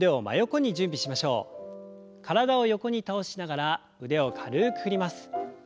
体を横に倒しながら腕を軽く振ります。